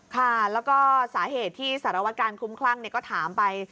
ค่ะแล้วก็สาเหตุที่สารวัตการคุ้มคลั่งก็ถามไป